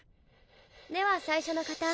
では最初の方。